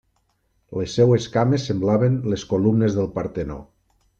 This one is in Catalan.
Les seues cames semblaven les columnes del Partenó.